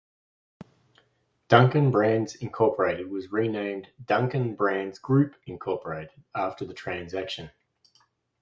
Dunkin' Brands, Incorporated was renamed Dunkin' Brands Group, Incorporated after the transaction.